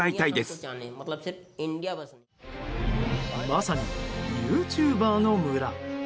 まさにユーチューバーの村。